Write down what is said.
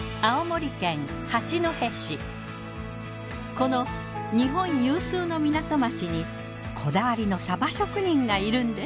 この日本有数の港町にこだわりのサバ職人がいるんです。